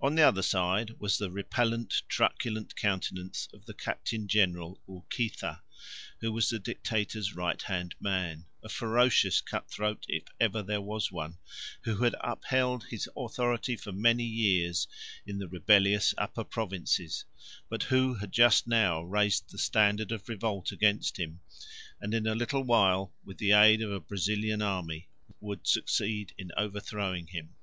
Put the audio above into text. On the other side was the repellent, truculent countenance of the Captain General Urquiza, who was the Dictator's right hand man, a ferocious cut throat if ever there was one, who had upheld his authority for many years in the rebellious upper provinces, but who had just now raised the standard of revolt against him and in a little while, with the aid of a Brazilian army, would succeed in overthrowing him.